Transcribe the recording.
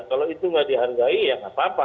kalau itu nggak dihargai ya nggak apa apa